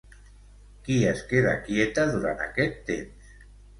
Qui es queda quieta durant aquest temps?